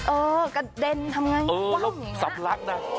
เออกระเด็นทำยังไงว่าอย่างเนี่ย